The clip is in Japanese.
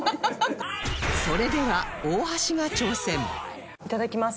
それでは大橋が挑戦いただきます。